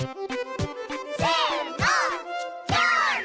せの！